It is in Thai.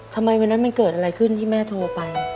ทำไมวันนั้นมันเกิดอะไรขึ้นที่แม่โทรไป